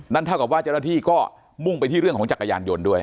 เท่ากับว่าเจ้าหน้าที่ก็มุ่งไปที่เรื่องของจักรยานยนต์ด้วย